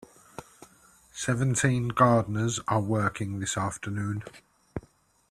Seventeen gardeners are working this afternoon.